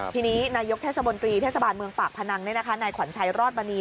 ทีนี้นายกเทศบนตรีเทศบาลเมืองปากพนังนายขวัญชัยรอดมณี